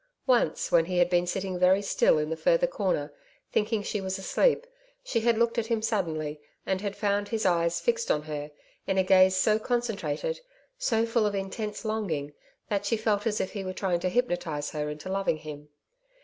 Once, when he had been sitting very still in the further corner, thinking she was asleep, she had looked at him suddenly, and had found his eyes fixed on her in a gaze so concentrated, so full of intense longing, that she felt as if he were trying to hypnotise her into loving him.